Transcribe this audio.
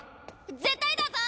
絶対だぞ！